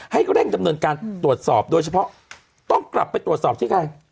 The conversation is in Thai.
ให้เร่งดำเนินการตรวจสอบโดยเฉพาะต้องกลับไปตรวจสอบที่ใคร